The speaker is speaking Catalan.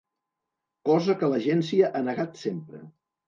Cosa que l’agència ha negat sempre.